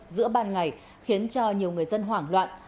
giữa ban ngày khiến cho nhiều người dân hoảng loạn